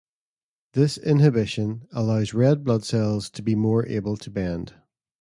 This inhibition allows red blood cells to be more able to bend.